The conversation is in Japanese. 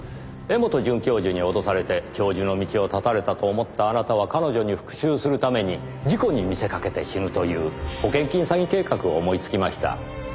柄本准教授に脅されて教授の道を絶たれたと思ったあなたは彼女に復讐するために事故に見せかけて死ぬという保険金詐欺計画を思いつきました。